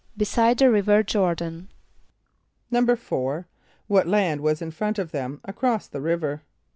=Beside the river Jôr´dan.= =4.= What land was in front of them across the river?